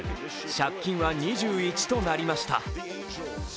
借金は２１となりました。